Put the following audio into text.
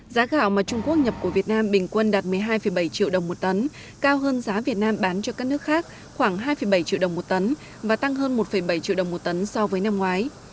giá gạo mà trung quốc nhập của việt nam bình quân đạt một mươi hai bảy triệu đồng một tấn cao hơn giá việt nam bán cho các nước khác khoảng hai bảy triệu đồng một tấn và tăng hơn một bảy triệu đồng một tấn so với năm ngoái